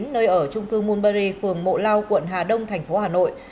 nơi ở trung cư moonberry phường mộ lao quận hà đông tp hà nội